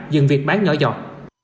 dừng việc bán nhỏ dọc